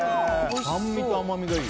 酸味と甘みがいい。